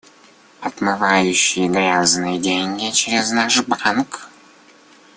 Отмывающий грязные деньги через наш банк.